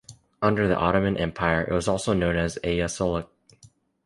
Under the Ottoman Empire, it was known as Ayasoluk.